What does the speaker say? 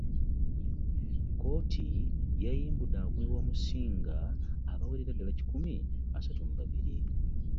Kkooti yayimbudde abakuumi b'omusinga abawerera ddala kikumi asatu mu babiri.